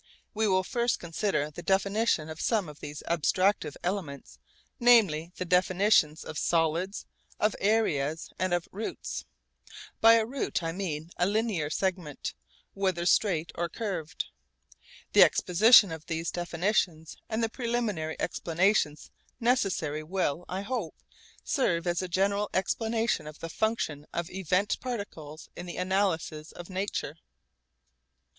We will first consider the definition of some of these abstractive elements, namely the definitions of solids, of areas, and of routes. By a 'route' I mean a linear segment, whether straight or curved. The exposition of these definitions and the preliminary explanations necessary will, I hope, serve as a general explanation of the function of event particles in the analysis of nature.